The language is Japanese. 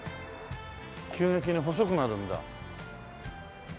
急激に細くなるんだ。